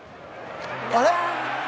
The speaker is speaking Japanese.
あれ？